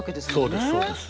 そうですそうです。